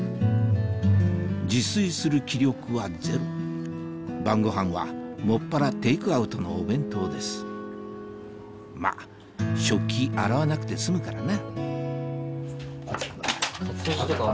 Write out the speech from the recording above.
自炊する気力はゼロ晩ごはんはもっぱらテイクアウトのお弁当ですまっ食器洗わなくて済むからな